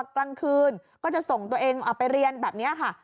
กลางคืนก็จะส่งตัวเองไปเรียนแบบนี้ค่ะ